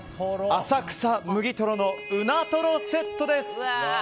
浅草むぎとろのうなとろセットです。